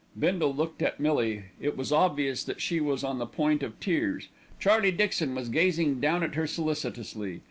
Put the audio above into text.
Bindle looked at Millie; it was obvious that she was on the point of tears. Charlie Dixon was gazing down at her solicitously.